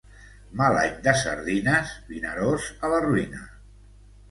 Mal any de sardines, Vinaròs a la ruïna.